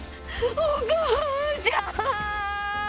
お母ちゃん！